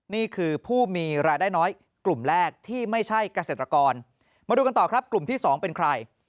นี่คือผู้มีรายได้น้อยกลุ่มแรกที่ไม่ใช่เกษตรกรมาดูกันต่อครับกลุ่มที่สองเป็นใคร